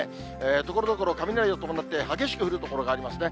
ところどころ雷を伴って、激しく降る所がありますね。